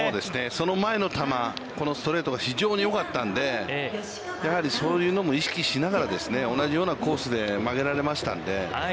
その前の球、このストレートが非常によかったので、やはりそういうのも意識しながら、同じようなコースで曲げられましたので。